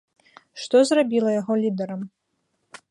Што зрабіла яго лідэрам?